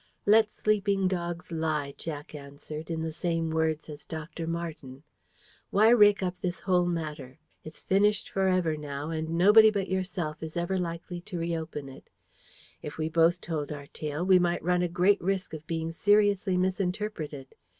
"Let sleeping dogs lie," Jack answered, in the same words as Dr. Marten. "Why rake up this whole matter? It's finished for ever now, and nobody but yourself is ever likely to reopen it. If we both told our tale, we might run a great risk of being seriously misinterpreted.